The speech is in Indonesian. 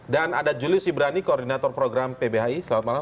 dan ada julius ibrani koordinator program pbhi selamat malam